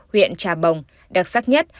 huyện trà bồng đặc sắc nhất